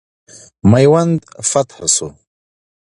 میوند فتح سو.